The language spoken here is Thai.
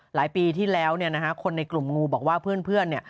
หลายปีที่แล้วคนในกลุ่มงูบอกว่าเพื่อนเนี่ย